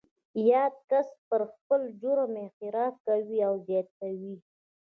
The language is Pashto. یاد کس پر خپل جرم اعتراف کوي او زیاتوي